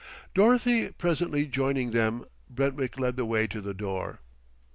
Dorothy presently joining them, Brentwick led the way to the door.